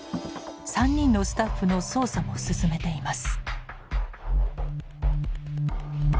３人のスタッフの捜査も進めています。